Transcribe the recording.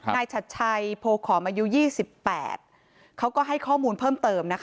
ชัดชัยโพขอมอายุ๒๘เขาก็ให้ข้อมูลเพิ่มเติมนะคะ